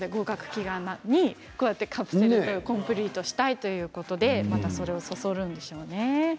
こうやってカプセルトイをコンプリートしたいということでそういう気持ちをそそるんでしょうね。